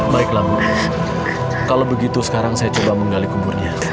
baiklah bu kalau begitu sekarang saya coba menggali kuburnya